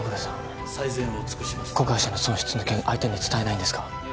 子会社の損失の件相手に伝えないんですか？